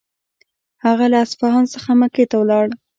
هغه له اصفهان څخه مکې ته ولاړ.